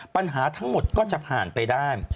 ปัญหาทั้งหมดก็จะผ่านไปได้